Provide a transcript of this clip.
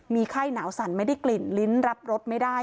มีไข้หนาวสั่นไม่ได้กลิ่นลิ้นรับรสไม่ได้